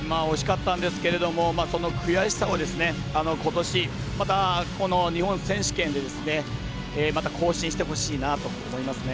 惜しかったんですがその悔しさをことし、またこの日本選手権でまた更新してほしいなと思います。